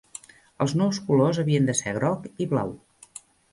Els nous colors havien de ser groc i blau.